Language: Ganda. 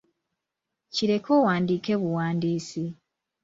Kireke owandiike buwandiisi.